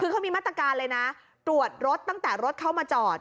คือเขามีมาตรการเลยนะตรวจรถตั้งแต่รถเข้ามาจอด